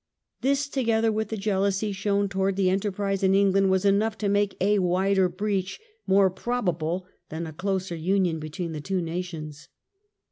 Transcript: This, together with the jealousy shown towards the enter prise in England, was enough to make a wider breach more probable than a closer union between the two nations.